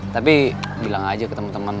tapi bilang aja ke temen temen